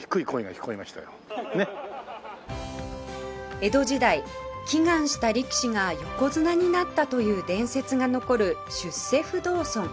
江戸時代祈願した力士が横綱になったという伝説が残る出世不動尊